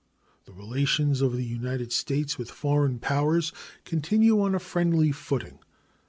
The relations of the United States with foreign powers continue on a friendly footing.